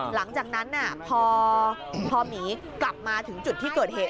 หลังจากนั้นพอหมีกลับมาถึงจุดที่เกิดเหตุ